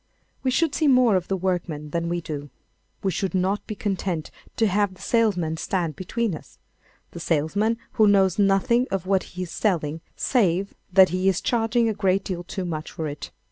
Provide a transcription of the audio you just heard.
We should see more of the workman than we do. We should not be content to have the salesman stand between us—the salesman who knows nothing of what he is selling save that he is charging a great deal too much for it.